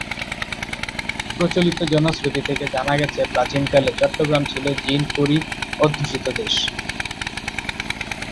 প্রচলিত জনশ্রুতি থেকে জানা গেছে, প্রাচীনকালে চট্টগ্রাম ছিল জিন-পরি-অধ্যুষিত দেশ।